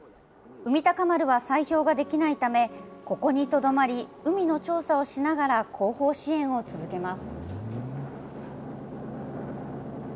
海鷹丸は砕氷ができないため、ここにとどまり、海の調査をしながら、後方支援を続けます。